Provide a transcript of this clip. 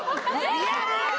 リアル！